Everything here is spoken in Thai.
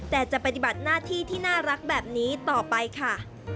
แต่จะปฏิบัติหน้าที่ที่น่ารักแบบนี้ต่อไปค่ะ